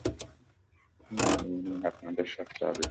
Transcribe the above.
High, এই নিন আপনাদের সব চাবি।